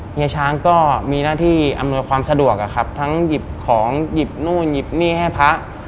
เฮียช้างก็มีหน้าที่อำนวยความสะดวกอะครับทั้งหยิบของหยิบนู่นหยิบนี่ให้พระ